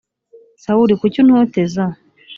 sawuli kuki untoteza